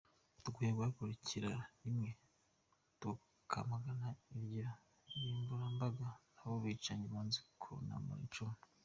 Dukwiye guhagurukira rimwe tukamagana iryo rimburambaga n’abo bicanyi banze kunamura icumu!